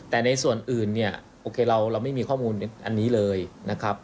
แต่ในส่วนอื่นเนี่ยโอเคเราไม่มีข้อมูลอันนี้เลยนะครับ